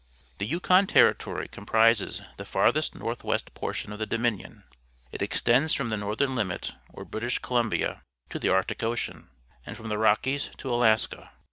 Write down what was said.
— The Yukon Territory comprises the farthggt ngrth west portion^f the Dominion. It e xtends from the northern lunit or British Columbia to the Arctic Ocean, and from the Rockies to Alaska.